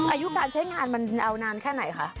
อายุการใช้งานมันเอานานแค่ไหนคะ